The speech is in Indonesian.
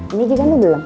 ini juga belum